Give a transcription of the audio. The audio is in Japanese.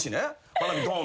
花火「ドーン！」